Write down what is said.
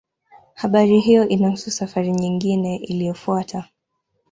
Habari hiyo inahusu safari nyingine iliyofuata.